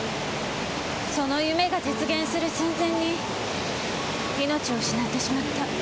その夢が実現する寸前に命を失ってしまった。